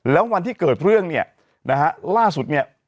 แล้ววันที่เกิดเรื่องเนี่ยนะฮะล่าสุดเนี่ย